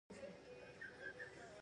دښتې به ګلزار شي؟